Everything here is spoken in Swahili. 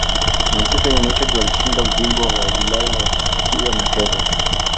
manchester united walishinda ubingwa wa ulaya wakiwa na tevez